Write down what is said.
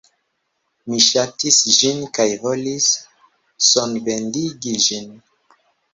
Mi ŝatis ĝin kaj volis sonbendigi ĝin.